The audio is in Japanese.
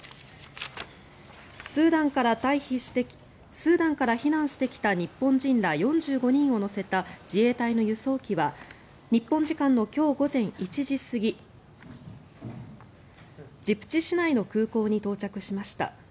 スーダンから避難してきた日本人ら４５人を乗せた自衛隊の輸送機は日本時間の今日午前１時過ぎジブチ市内の空港に到着しました。